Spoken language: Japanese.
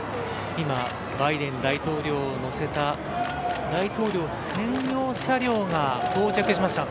今バイデン大統領を乗せた大統領専用車両が到着しました。